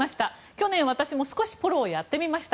去年、私も少しポロをやってみました。